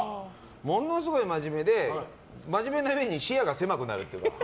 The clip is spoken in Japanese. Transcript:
ものすごい真面目で真面目なうえに視野が狭くなるっていう。